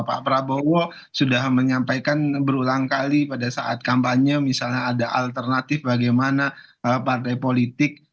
pak prabowo sudah menyampaikan berulang kali pada saat kampanye misalnya ada alternatif bagaimana partai politik